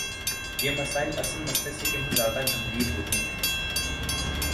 یہ مسائل اصل مسئلے سے کہیں زیادہ گمبھیر ہوتے ہیں۔